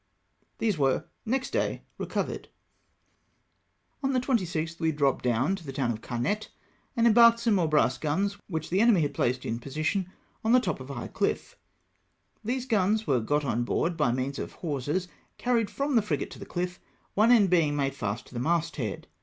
These were next day recovered. On the 26th we dropped down to the town of Caiiette, and embarked some more brass guns which the enemy had placed in position on the top of a high chfF. These guns were got on board by means of hawsers carried from the frigate to the cliff, one end being made fast to the masthead.